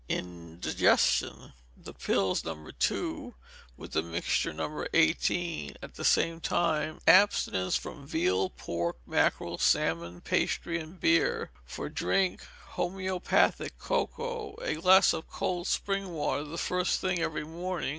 Indigestion. The pills No. 2, with the mixture No. 18, at the same time abstinence from veal, pork, mackerel, salmon, pastry, and beer; for drink, homoeopathic cocoa, a glass of cold spring water the first thing every morning.